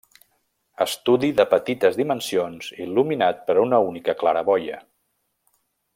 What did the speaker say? Estudi de petites dimensions il·luminat per una única claraboia.